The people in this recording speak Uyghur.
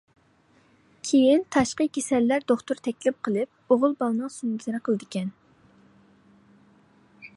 كېيىن تاشقى كېسەللەر دوختۇرى تەكلىپ قىلىپ ئوغۇل بالىنىڭ سۈننىتىنى قىلىدىكەن.